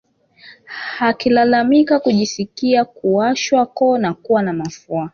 Akilalamika kujisikia kuwashwa koo na kuwa na mafua